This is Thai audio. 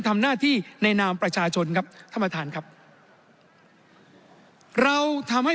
ทำหน้าที่ในนามประชาชนครับท่านประธานครับเราทำให้